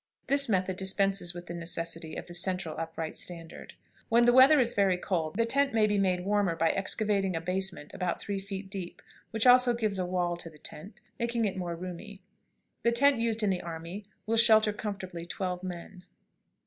This method dispenses with the necessity of the central upright standard. When the weather is very cold, the tent may be made warmer by excavating a basement about three feet deep, which also gives a wall to the tent, making it more roomy. The tent used in the army will shelter comfortably twelve men.